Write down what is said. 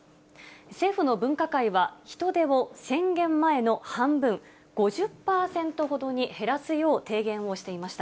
政府の分科会は、人出を宣言前の半分、５０％ほどに減らすよう提言をしていました。